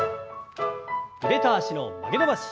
腕と脚の曲げ伸ばし。